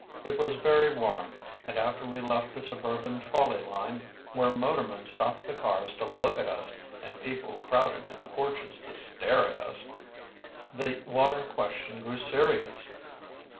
It was very warm, and after we left the suburban trolley line, where motormen stopped the cars to look at us and people crowded to the porches to stare at us, the water question grew serious.